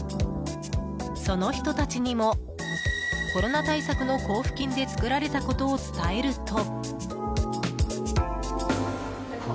その人たちにも、コロナ対策の交付金で作られたことを伝えると。